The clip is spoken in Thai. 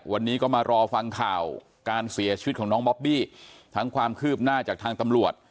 วันนี้ก็มารอฟังข่าวการเสียชีวิตของน้องบอบบี้ทั้งความคืบหน้าจากทางตำรวจ